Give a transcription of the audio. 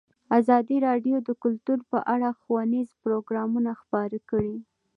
ازادي راډیو د کلتور په اړه ښوونیز پروګرامونه خپاره کړي.